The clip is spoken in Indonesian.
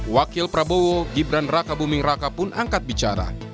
wakil prabowo gibran raka buming raka pun angkat bicara